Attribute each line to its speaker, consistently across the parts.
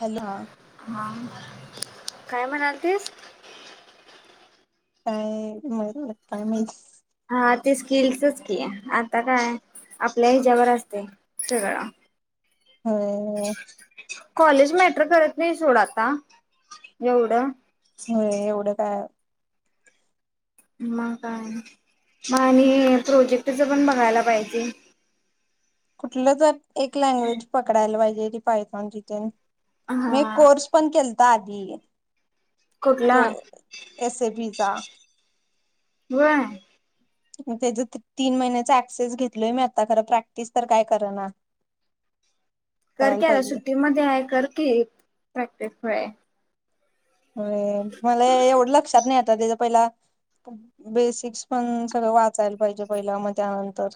Speaker 1: Hello!
Speaker 2: हा, काय म्हणालतीस?
Speaker 1: काय, ‌ मला काय माहित?
Speaker 2: हा ते स्किलचच की, आता काय? आपल्या हेच्यावर असते सगळं.
Speaker 1: हो.
Speaker 2: कॉलेज मॅटर करत नाही सोड आता, ‌एवढं.
Speaker 1: हो एवढं काय.
Speaker 2: मग काय आणि? मग आणि प्रोजेक्टच पण बघायला पाहिजे.
Speaker 1: कुठलं तर एक लँग्वेज पकडायला पाहिजे ती पायथॉन-विथन, मी
Speaker 2: हा
Speaker 1: कोर्स पण केलता आधी
Speaker 2: कुठला
Speaker 1: तो एस ए बी चा.
Speaker 2: होय.
Speaker 1: तेझ्यात तीन महिन्याचा ऍक्सेस घेतलय मी आता खरं प्रॅक्टिस तर काय कर ना. [inaudible]
Speaker 2: कर की आता सुट्टीमध्ये आहे कर की प्रॅक्टिस खुळया.
Speaker 1: अ मला एवढं लक्षात नाही आता त्याच्या पहिला बेसिक्स पण सगळं वाचायला पाहिजे पहिला मग त्यानंतर.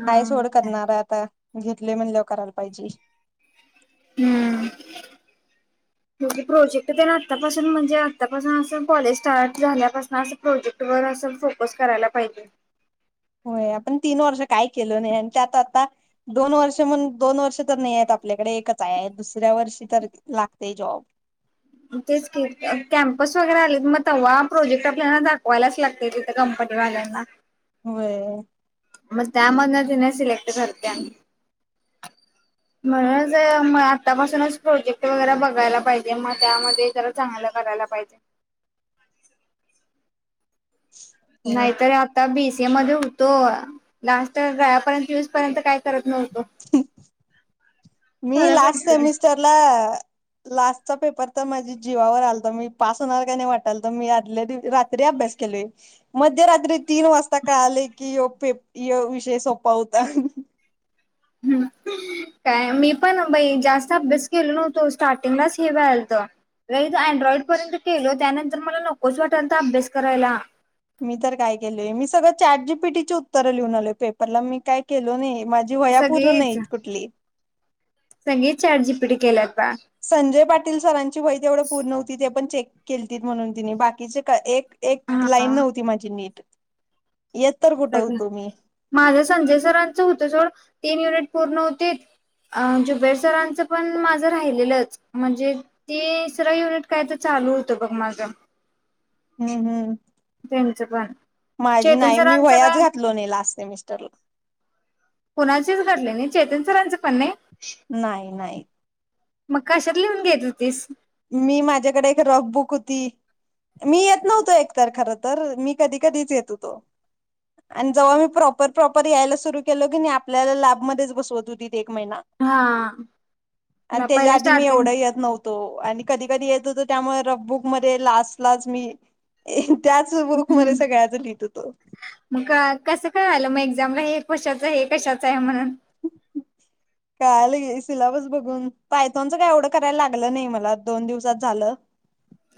Speaker 2: हा
Speaker 1: आहे सोड करणार आहे आता घेतले म्हणल्यावर करायला पाहिजे.
Speaker 2: हम्म.
Speaker 1: [inaudible]
Speaker 2: म्हणजे प्रोजेक्ट तेन आत्तापासून म्हणजे आत्तापासून असं कॉलेज स्टार्ट झाल्यापासून असं प्रोजेक्ट वर असं फोकस करायला पाहिजे.
Speaker 1: होय आपण तीन वर्ष काय केलो नाही आणि त्यात आता दोन वर्ष म्हण दोन वर्ष तर नाही आहेत आपल्याकडे एकच आहे दुसऱ्या वर्षी तर लागते जॉब.
Speaker 2: मग तेच की कॅम्पस वगैरे आले मग तेव्हा प्रोजेक्ट आपल्याला दाखवायलाच लाग ते तिथे कंपनी वाल्यांना.
Speaker 1: होय.
Speaker 2: मग त्यामधन की णी सिलेक्ट करत्यात.
Speaker 1: [inaudible]
Speaker 2: म्हणूनच म आतापासूनच प्रोजेक्ट वगैरे बघायला पाहिजे मग त्यामध्ये जर. चांगलं करायला पाहिजे
Speaker 1: होय
Speaker 2: नाहीतर आता बीसीए मध्ये होतो लास्ट गळ्या पंचवीस पर्यंत काय. करत नव्हतो.
Speaker 1: आपला. लास्टचा पेपर तर माझी जीवावर आलतां मी पास होणार का नाही वाटाल त मी आदल्या दिव रात्री अभ्यास केले. मध्यरात्री तीन वाजता कळाले की यो पेप यो विषय सोपा होता. [inaudible]
Speaker 2: काय मी पण बई जास्त अभ्यास केलो नव्हतो स्टार्टिंगलाच हे झालत. रइज अँड्रॉइड पर्यंत केलो त्यानंतर मला नकोच वाटाल त अभ्यास करायला.
Speaker 1: मी तर काय केलय मी सगळं चॅटजीपिटी ची उत्तर लिहून आलोय पेपरला मी काय केलो नाही माझ. जी वह्या पूर्ण
Speaker 2: सगळीच
Speaker 1: नाहीत कुठली.
Speaker 2: सगळी चाट जी पिटी केल्यात का?
Speaker 1: संजय पाटील सरांची वही तेवढं पूर्ण होती ते पण चेक केलती म्हणून तिने बाकीचे का एक एक
Speaker 2: हा
Speaker 1: लाईन नव्हती माझी नीट येत तर कुठं
Speaker 2: सगळं
Speaker 1: होतो मी.
Speaker 2: माझं संजय सरांचं होतं जवळ तीन युनिट पूर्ण होतीत. अ जुबेर सरांचं पण माझं राहिलेलंच म्हणजे. तीसरं युनिट काय त चालू होतं बघ माझं.
Speaker 1: हूं हूं
Speaker 2: त्यांचं पण
Speaker 1: माझी
Speaker 2: चेतन
Speaker 1: नाही मी
Speaker 2: सरांचं
Speaker 1: वह्यां
Speaker 2: काय
Speaker 1: च घातलो नाही लास्ट सेमिस्टरला.
Speaker 2: कुणाचेच भरले नाही चेतन सरांच पण नाही.
Speaker 1: नाही नाही.
Speaker 2: मग कशात लिहून घेत होतीस.
Speaker 1: मी माझ्याकडे एक रफबुक होती. मी येत नव्हतो एकतर खर तर मी कधी कधीच येत होतो. आणि जव्हा मी प्रॉपर प्रॉपर यायला सुरु केल की नाही आपल्याला लॅबमध्येच बसवत होती ते एक महिना.
Speaker 2: हा
Speaker 1: आण त्याच्या
Speaker 2: पहिला
Speaker 1: आधी मी
Speaker 2: स्टार्टिंग
Speaker 1: एवढं येत नव्हतो. आणि कधी कधी येत होत, त्यामुळे रफबुक मध्ये लास्ट लाच मी. त्याच बुक मध्ये
Speaker 2: हम्म
Speaker 1: सगळ्याच लिहित होतो.
Speaker 2: मग का कसं काय आलं मग एक्झामला हे कशाच हे कशाच आहे म्हणून.
Speaker 1: कळालं की सिलाबस बघून, पायथोनचं काय एवढं करायला लागलं नाही मला दोन दिवसात झालं.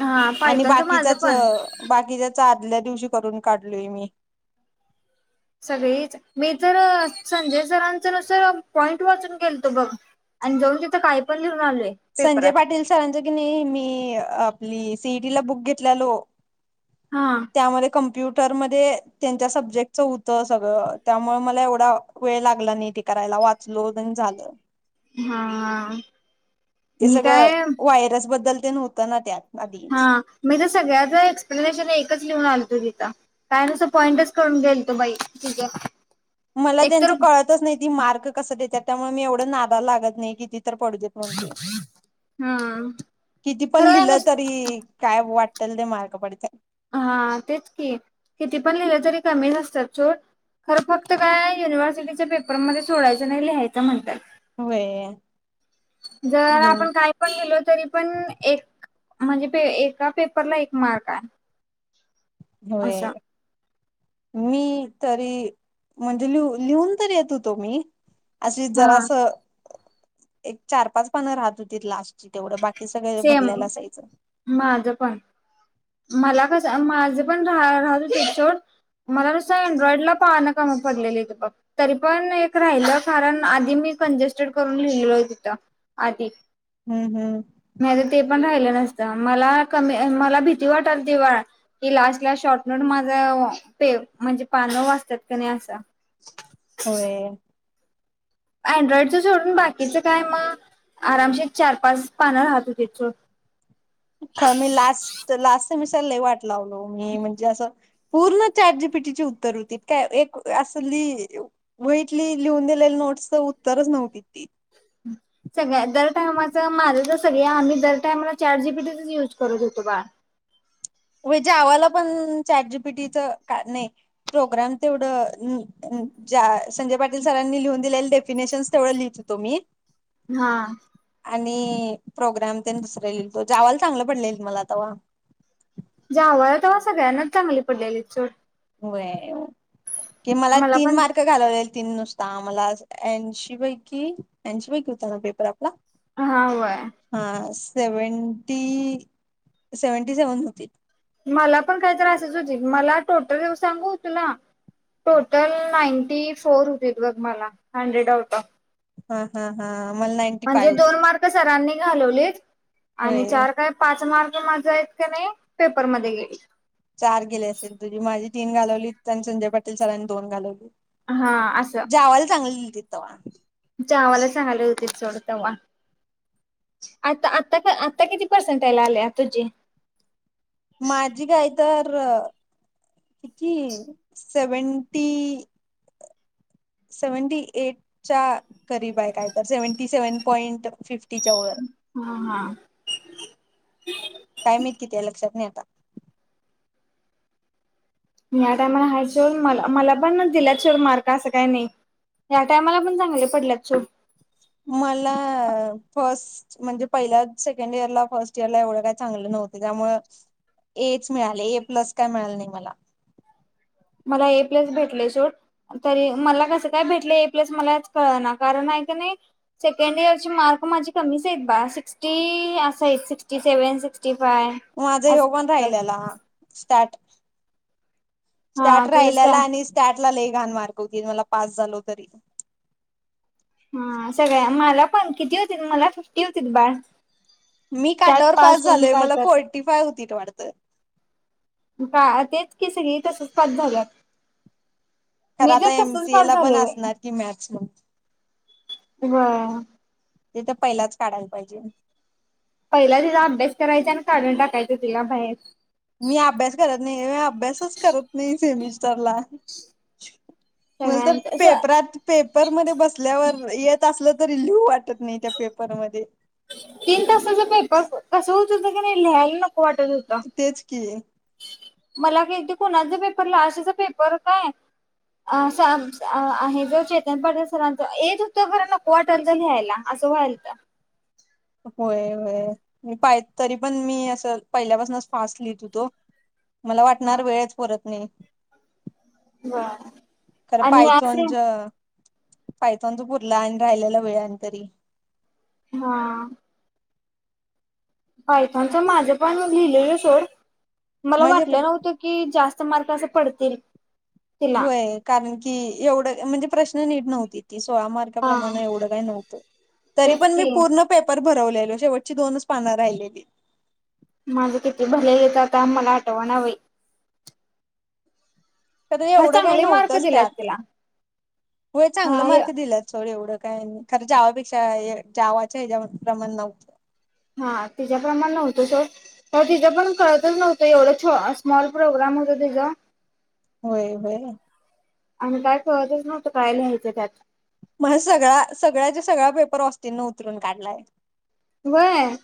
Speaker 2: हा
Speaker 1: आणि
Speaker 2: पायथॉनचं माझं
Speaker 1: बाकीच्याच
Speaker 2: पण
Speaker 1: बाकीच्याच आदल्या दिवशी करून काढलोय मी.
Speaker 2: सगळीच मी तर संजय सरांच नुसर पॉइंट वाचून गेलतो बघ. आणि जाऊन तिथं काय पण लीऊन आलोय.
Speaker 1: संजय
Speaker 2: पेपरात.
Speaker 1: पाटील सरांचं की नाही मी आपली सीईटी ला बुक घेतलेलो.
Speaker 2: हा!
Speaker 1: त्यामध्ये कम्प्युटरमध्ये त्यांच्या सब्जेक्टच हूंतं सगळं त्यामुळे मला एवढा वेळ लागला नाही ते करायला वाचलो तेन झालं.
Speaker 2: हा
Speaker 1: ते
Speaker 2: मी
Speaker 1: सगळं
Speaker 2: काय
Speaker 1: व्हायरस बद्दल तेन होतं ना त्यात.
Speaker 2: हा
Speaker 1: आधीच
Speaker 2: मी त सगळ्याच एक्सप्लेनेशन एकच लिहून आलतो तिथ. काय नुसं पॉईंटच करून गेलतो तो बाई ठीक हे.
Speaker 1: मला त्यांचं कळतच नाही ती मार्क कस देत्यांत त्यामुळे मी एवढं नादा लागत नाही किति तर पडू देत.
Speaker 2: हा
Speaker 1: किती पण
Speaker 2: खरं
Speaker 1: लिहिलं
Speaker 2: नसत
Speaker 1: तरी. काय वाटेल ते मार्क पडत्यां.
Speaker 2: हा तेच की किती पण लिहिलं तरी कमी नसतात छो. खरं फक्त काय युनिव्हर्सिटीच्या पेपरमध्ये सोडायंच नाही लिहायचं म्हणताय.
Speaker 1: होय.
Speaker 2: जर आपण काही किती पण लिहिलं तरी पण एक, म्हणजे ते एका पेपरला एक मार्क आहे.
Speaker 1: होय.
Speaker 2: असं
Speaker 1: मी तरी म्हणजे लिह -लिहून तरी येत होतो मी. अशी
Speaker 2: हा
Speaker 1: जरासं, एक चार पाच पानं राहत होती. लास्टची तेवढं बाकी कि सगळ्यांनी
Speaker 2: सेम
Speaker 1: भरलेला असायचं.
Speaker 2: माझं पण. मला कसं माझं पण रा- राहतो सोड. मला नुसं अँड्रॉइड पाहणं कमी पडलेलीत बघ. तरी पण एक राहिलं, कारण आधी मी कंजेस्टेड करून लिहिलो तिथं. आधी.
Speaker 1: हम्म, हम्म,
Speaker 2: नाही तर ते पण राहिलं नसतं, मला कमी मला भीती वाटलती बघ कि लास्टला शॉर्टनोट माझा, पे म्हणजे पानं वाचतात क नाही असं.
Speaker 1: होय.
Speaker 2: अँड्रॉइड सोडून बाकीचं काय मग आरामशी चार पाच पानं राहत हो तथ [unintelligible]
Speaker 1: आम्ही लास्ट -लास्ट सेमिस्टर लय वाट लावलो मी म्हणजे असं पूर्ण चार जीपीटी उत्तर होती. काय एक असली वहितली लिहून दिलेली नोट्सचं उत्तरच नव्हती ती.
Speaker 2: हम्. सगळ्या दर टायमाचं माझं तर सगळ आम्ही, दर टाइमला चार जी पी टी युज करत होतो बा.
Speaker 1: वजेवाला पण चॅट जी पी टी च का नाही प्रोग्राम तेवढं ज्या संजय पाटील सरांनी लिहून दिलेले डेफिनेशन्स तेवढं लिहित होतो मी.
Speaker 2: हा.
Speaker 1: आणि प्रोग्राम ते दुसरे लिहतो, जावाला चांगलं पडले मला तवा.
Speaker 2: ज्यावळ तेव्हा सगळ्यांनाच चांगली पडलेली सोड
Speaker 1: होय, की मला तीन मार्क घालवलेल तीन नुसता आम्हाला ऐंशी पैकी, ऐशी पैकी होता ना पेपर आपला?
Speaker 2: हा, होय.
Speaker 1: हा सेव्हनटी, सेव्हनटी सेव्हन होतील.
Speaker 2: मला पण काही तरी असच होतीत, मला टोटल सांगू तुला? टोटल नाईंटी फोर होतीत बघ मला, हंड्रेड आउट ऑफ.
Speaker 1: हा, हा, हा, मला फाय
Speaker 2: म्हणजे
Speaker 1: होती
Speaker 2: दोन मार्क सरांनी घालवलेत, आणि
Speaker 1: होय
Speaker 2: चार काय पाच मार्क माझा आहेत क नाही पेपरमध्येध्ये गेले.
Speaker 1: चार गेले असेल तुझी, माझी तीन घालवली आणि संजय पाटील सरांनी दोन घालवली.
Speaker 2: हा
Speaker 1: जावाला चांगली दिलती तवा.
Speaker 2: जावाला चांगली होतीत सोड तेव्हा. आता आता -आता किती परसेंटेज यायलागले तुझे?
Speaker 1: माझी काय तर, सेव्हन्टी सेव्हनटी ऐट च्या कररीब आहे काय तर, सेव्हन्टी सेव्हन पॉईंट फिफ तिच्यामुळ,
Speaker 2: हा हा.
Speaker 1: काय माहित किती या लक्षात नाही आता.
Speaker 2: या टायमाला आहेत सोड, मला मला पण दिल्यात सोड मार्क असं काही नाही. ह्या टाईमाला पण चांगले पडल्यात सोडं
Speaker 1: मला फस्ट म्हणजे पहिल्या सेकंड इयरला फर्स्ट इयरला एवढं काय चांगलं नव्हते, त्यामुळं ए च मिळाले ऐ प्लस काय मिळाले नाही मला
Speaker 2: मला ऐ प्लस भेटलय सोड तरी मला कसं काय भेटले ऐ प्लस मलाच कळणा कारण हाय का नायी सेकंड इयरचे मार्क माझे कमीचयत बा सिक्स्टी असय सिक्स्टी सेव्हन सिक्स्टी फाय
Speaker 1: माझा ह्यो पण
Speaker 2: असं
Speaker 1: राहिलेला, स्टार्ट स्टार्ट
Speaker 2: हा तुझ
Speaker 1: राहिल्याला आणि स्टार्टला लय घाण मार्क होती मला पास झालो तरी
Speaker 2: हा सगळ्या मला पण किती होती ग, मला फिफ्टी होतील बाळ
Speaker 1: मी
Speaker 2: त्यात
Speaker 1: काटावर पास
Speaker 2: होऊन
Speaker 1: झालोय
Speaker 2: काय
Speaker 1: मला
Speaker 2: कर
Speaker 1: फोर्टी फाय होतीत वाटतं
Speaker 2: का तेच की सगळी तसंच पास झाल्यात
Speaker 1: खरं
Speaker 2: मी तर
Speaker 1: आता
Speaker 2: तसच
Speaker 1: एमसीए
Speaker 2: पास
Speaker 1: ला पण
Speaker 2: झालोय बया
Speaker 1: असणार की मत्स्य म?
Speaker 2: हा
Speaker 1: ते तर पहिलाच काढायला पाहिजे
Speaker 2: पहिला तिचा अभ्यास करायचा आणं काढून टाकायचं तिला बाहेर
Speaker 1: मी अभ्यास करत नाही. मी अभ्यासच करत नाही सेमिस्टरला मला तर
Speaker 2: सगळ्यांच असं
Speaker 1: पेपरात पेपरमध्ये बसल्यावर येत असलं तरी, लिहू वाटत नायी, त्या पेपरमध्ये
Speaker 2: तीन तासाचा पेपर कस होत होतं कनाय लिहायला नको वाटत होतं
Speaker 1: तेच की
Speaker 2: मला कायती कोणाच पेपर लाशेचा पेपर नाय अ आहे जो चेतन पाटील सरांच येत होतं खरं नको वाटल त लिहायला असं व्हायलत
Speaker 1: होय, होय मी पाय तरी पण मी असं पहिल्यापासूनच फास्ट लिहित होतो मला
Speaker 2: हा.
Speaker 1: वाटणार वेळच पुरत नायी
Speaker 2: हा
Speaker 1: खरं पायथॉन च पायथॉनचा पुरला आणि राहिलेला वेळ आणि तरी
Speaker 2: हा पायथॉनच माझं पण लिहिलेलं सोड, मला
Speaker 1: माझ्याकडे
Speaker 2: वाटलं नव्हत की कि जास्त मार्क असं पडतील तिला.
Speaker 1: व्हय कारण की एवढं म्हणजे प्रश्न नीट नव्हती ती सोळा
Speaker 2: हा.
Speaker 1: मार्काप्रमाणे एवढं काय नव्हतं तरी
Speaker 2: तेच
Speaker 1: पण मी
Speaker 2: की
Speaker 1: पूर्ण पेपर भरवलेलो शेवटची दोनच पानं राहिलेली
Speaker 2: माझं किती भरलेलेत, आता मला आठवाणा बाई
Speaker 1: त्यात
Speaker 2: खरं
Speaker 1: एवढं काय
Speaker 2: चांगले मार्क
Speaker 1: नव्हतंच
Speaker 2: दिल्यात
Speaker 1: त्यात
Speaker 2: तिला
Speaker 1: व्हय चांगलं
Speaker 2: हा
Speaker 1: मार्क दिल्यात सोड एवढं काय खरं जावापेक्षा जावाच्या ह्याच्या प्रमाण नव्हतं
Speaker 2: हा त्याच्याप्रमाण नव्हतं सोड हो तिजा पण कळतच नव्हतं एवढं छ स्मॉल प्रोग्राम होता तिजा
Speaker 1: व्होय, व्होयरं?
Speaker 2: आणि काय कळतच नव्हतं काय लिहायचं त्यात
Speaker 1: माझा सगळा सगळाच्या सगळा पेपर ऑस्टीन उतरून काढलाय
Speaker 2: व्हय?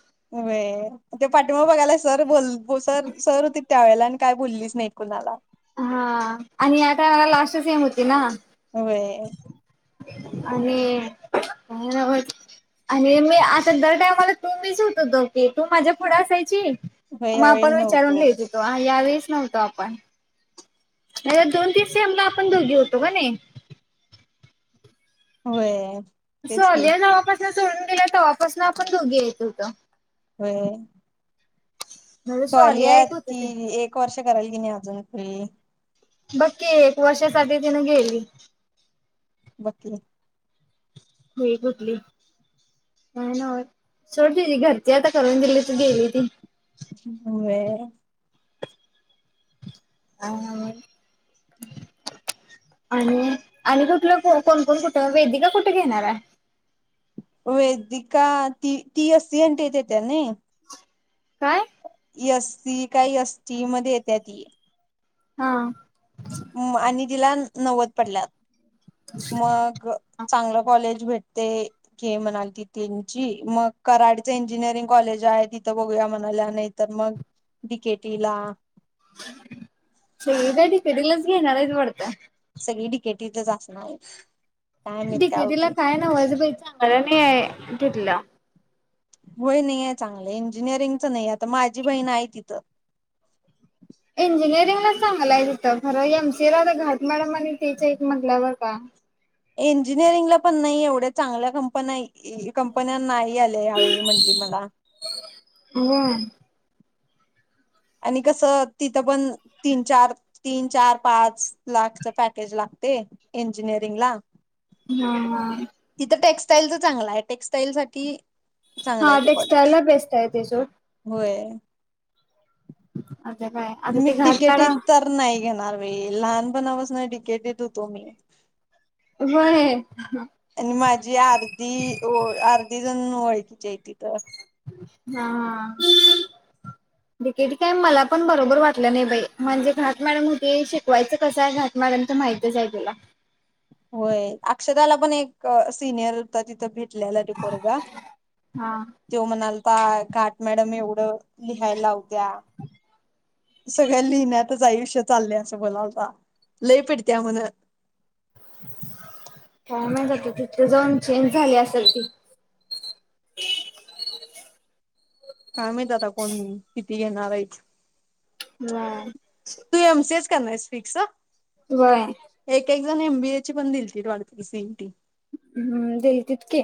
Speaker 1: व्हय ते पाठिमाग बघायला सर बोल सर -सर होतीत त्या वेळेला आणि काय बोललीच नाही कुणाला.
Speaker 2: हा आणि आता लास्ट सेम होती ना?
Speaker 1: होय.
Speaker 2: आणि [unintelligible] आणि मी आता दर टायमला तू मीच होत होतो की. तू माझ्या पुढं असायची.
Speaker 1: व्हय
Speaker 2: मग
Speaker 1: यावेळी
Speaker 2: आपण विचारून
Speaker 1: नव्हतो
Speaker 2: लिहीत होेतो. यावेळीच नव्हतो आपण. हे दोन - तीन सेमला आपण दोघी होतो का नाही?
Speaker 1: होय.
Speaker 2: स्वालिया जव्हापसन सोडून गेल्या तव्हापासून आपण दोघी येत होत.
Speaker 1: व्हय.
Speaker 2: म्हणजे सोलिया
Speaker 1: स्वालिया
Speaker 2: एक होत
Speaker 1: ती
Speaker 2: ते
Speaker 1: एक वर्ष करायल की नाही अजून हम्म.
Speaker 2: बघ की एक वर्षासाठी तिन गेली.
Speaker 1: बघ की
Speaker 2: खुळी कुटली. काय नव्हंचं. सोड तिची घरची आता करून दिली. आता गेली ती.
Speaker 1: होय.
Speaker 2: काय नव्हचं. आणि - आणि कुठलं को -कोण - कोण कुठ वेदिका कुठ घेणार आहे.
Speaker 1: वेदिका ती - ती एस सी एन् टी त येत्या नाही.
Speaker 2: काय?
Speaker 1: एस सी काय एस टी मध्ये येत्या ती.
Speaker 2: हा.
Speaker 1: म आणि तिला नव्वद पडल्यात मग चांगलं कॉलेज भेटते की म्हणाल ती त्यांची मग कराडच इंजिनिअरिंग कॉलेज आहे तिथं बघूया म्हणाल्या. नाही त तर मग डी के टी ला.
Speaker 2: सगळी काय डि के टी लाच घेणार आहेत वाटतं.
Speaker 1: सगळी डी के टीतच असणार आहेत.
Speaker 2: डी के टी ला काय नव्हच बई चांगला नाहीयाय तिथलं
Speaker 1: होय नाही आहे चांगलं इंजिनिअरिंगचं नाही आता माझी बहीण आहे तिथं.
Speaker 2: इंजिनिअरिंगला चांगलाय तिथं खरं एम सी ए ला आता घाट मॅडम आणि त्येच हायत म्हटल्यावर काय?
Speaker 1: इंजिनिअरिंगला पण नाही एवढ्या चांगल्या कंपन्या कंपन्यां नाही. यालय ह्या वेळी म्हंटली मला.
Speaker 2: हम्
Speaker 1: आणि कसं तिथं पण तीन -चार तीन चार पाच लाखच पॅकेज लागतय इंजिनिअरिंग ला.
Speaker 2: हा.
Speaker 1: तिथं टेक्स्टाईल च चांगल आहे टेक्स्टाईल साठी चांगलं
Speaker 2: हा
Speaker 1: आहे ते
Speaker 2: टेक्स्टाईल
Speaker 1: कॉलेज
Speaker 2: ला बेस्ट आहे. ते सोड.
Speaker 1: होय.
Speaker 2: आता काय? आता
Speaker 1: मी
Speaker 2: ते
Speaker 1: डी
Speaker 2: घाट
Speaker 1: के टीे त
Speaker 2: मॅडम
Speaker 1: तर नाही घेणार बई. लहान पणा पासन डी के टी त होतो मी.
Speaker 2: व्हय
Speaker 1: आणि माझी अर्धी ओळ -अर्धी जण ओळखीची आहेत तिथ.
Speaker 2: हा. डी के टी काय मला पण बरोबर वाटलं नाही बाई. म्हणजे घाट मॅडम होती. शीक शिकवायचं कसय. घातमॉडम माहितच आहे तुला.
Speaker 1: होय अक्षदाला पण एक सिनियर ता तिथं भेटलेला तो पोरगा.
Speaker 2: हा.
Speaker 1: तो म्हणालता घाट मॅडम एवढं लिहायला लावत्या.
Speaker 2: ह [inaudible]
Speaker 1: सगळ्या लिहिण्यातच आयुष्य चाललेय. असं बोलत होता. लय पिडत्या म्हण.
Speaker 2: काय माहित आता. तिथ जाऊन चेंज झाली असेल ती.
Speaker 1: काय माहित आता? कोण किती घेणार आहेत.
Speaker 2: म.
Speaker 1: तू एम सी एच करणारेस फिक्स.
Speaker 2: व्हय.
Speaker 1: एक एक जण एमबीए ची पण दितीलती. [unintelligible] सीनटी
Speaker 2: हम्म देलतित की.